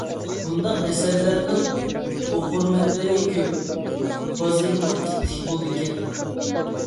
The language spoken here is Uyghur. بۇنداق ئەسەرلەرنىڭ ئوقۇرمەنلىرى كۆپ، بازىرىمۇ ئىتتىك بولىدىكەن.